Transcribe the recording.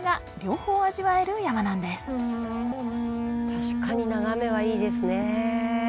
確かに眺めはいいですね。